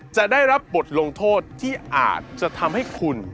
จะได้รับบทลงโทษที่อาจจะทำให้คุณ